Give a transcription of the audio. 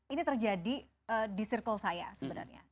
ini terjadi di circle saya sebenarnya